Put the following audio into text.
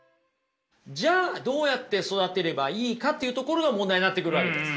じゃあどうやって育てればいいかっていうところが問題になってくるわけです。